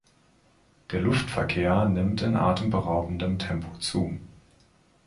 Der Luftverkehr nimmt in atemberaubendem Tempo zu.